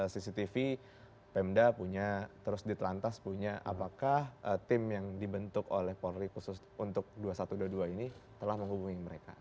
cctv pemda punya terus ditelantas punya apakah tim yang dibentuk oleh polri khusus untuk dua ribu satu ratus dua puluh dua ini telah menghubungi mereka